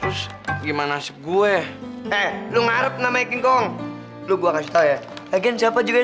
terus gimana sebuah eh lu ngarep nama king kong lu gua kasih tahu ya agen siapa juga